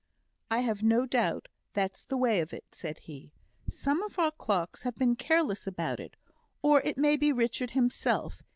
"I've no doubt that's the way of it," said he. "Some of our clerks have been careless about it; or it may be Richard himself.